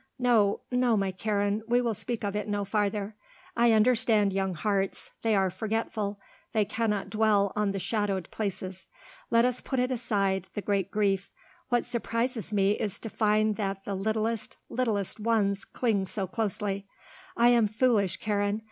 No, no, my Karen, we will speak of it no farther. I understand young hearts they are forgetful; they cannot dwell on the shadowed places. Let us put it aside, the great grief. What surprises me is to find that the littlest, littlest ones cling so closely. I am foolish, Karen.